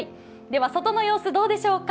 では外の様子どうでしょうか。